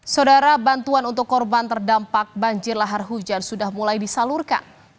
saudara bantuan untuk korban terdampak banjir lahar hujan sudah mulai disalurkan